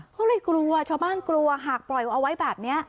เขาเลยกลัวชาวบ้านกลัวหากปล่อยเอาไว้แบบนี้